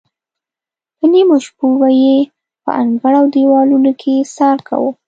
په نیمو شپو به یې په انګړ او دیوالونو کې څار کاوه.